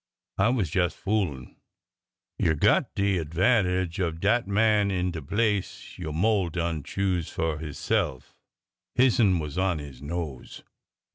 I was jes' foolin'. You got de advantage of dat man in de place yo' mole done choose fur hisse'f. Hisn was on his nose.